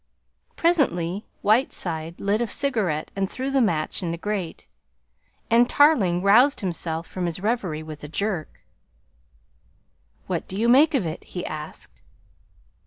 Presently Whiteside lit a cigarette and threw the match in the grate, and Tarling roused himself from his reverie with a jerk. "What do you make of it?" he asked.